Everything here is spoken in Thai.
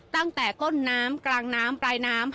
ตั้งแต่ต้นน้ำกลางน้ำปลายน้ำ